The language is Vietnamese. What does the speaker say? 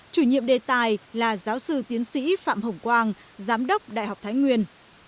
chủ nhiệm đề tài là giáo sư tiến sĩ phạm hồng quang giám đốc đại học thái nguyên